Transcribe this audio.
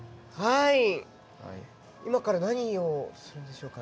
今から何をするんでしょうか？